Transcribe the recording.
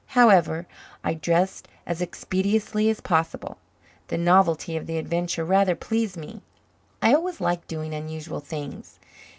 However, I dressed as expeditiously as possible. The novelty of the adventure rather pleased me. I always liked doing unusual things.